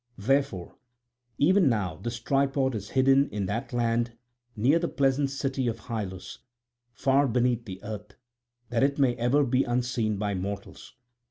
Therefore even now this tripod is hidden in that land near the pleasant city of Hyllus, far beneath the earth, that it may ever be unseen by mortals.